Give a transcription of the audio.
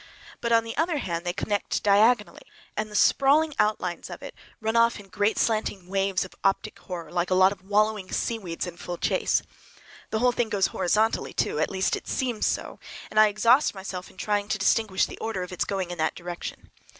But, on the other hand, they connect diagonally, and the sprawling outlines run off in great slanting waves of optic horror, like a lot of wallowing seaweeds in full chase. The whole thing goes horizontally, too, at least it seems so, and I exhaust myself in trying to distinguish the order of its going in that direction.